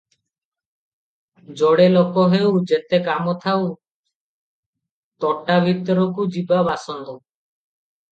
ଯେଡ଼େ ଲୋକ ହେଉ, ଯେତେ କାମ ଥାଉ ତୋଟା ଭିତରକୁ ଯିବା ବାସନ୍ଦ ।